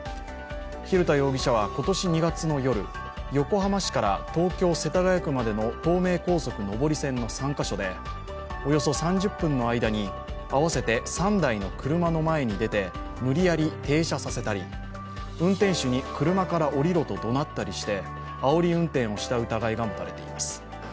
蛭田容疑者は今年２月の夜横浜市から東京・世田谷区までの東名高速上り線の３か所でおよそ３０分の間に合わせて３台の車の前に出て無理やり停車させたり運転手に車から降りろとどなったりしてあおり運転をした疑いが持たれています。